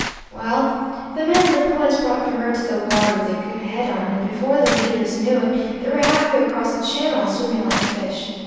"Well, the men on the points brought the herd to the water with a good head on, and before the leaders knew it, they were halfway across the channel, swimming like fish.